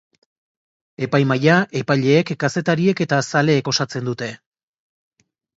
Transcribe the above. Epaimahaia, epaileek, kazetariek eta zaleek osatzen dute.